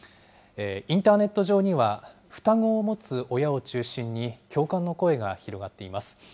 インターネット上には、双子を持つ親を中心に、共感の声が広がっています。